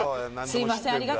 すいません